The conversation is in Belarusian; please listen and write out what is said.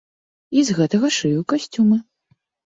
І з гэтага шыю касцюмы.